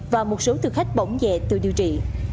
và một số thực khách bỏng nhẹ tự điều trị